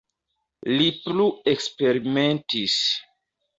Li plu eksperimentis.